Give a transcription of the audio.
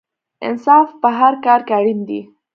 انصاف په هر کار کې اړین دی.